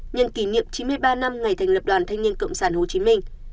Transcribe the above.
nhân kỷ niệm chín mươi ba năm ngày thành lập đoàn thanh niên cộng sản hồ chí minh